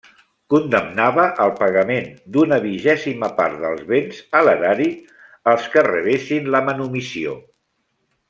Condemnava al pagament d'una vigèsima part dels béns a l'erari als que rebessin la manumissió.